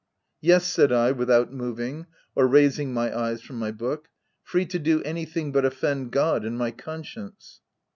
321 " Yes/' said I, without moving, or raising my eyes from my book,— free to do anything but offend God and my conscience."